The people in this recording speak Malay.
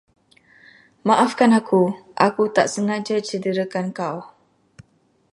Maafkan aku, aku tak sengaja cederakan kau.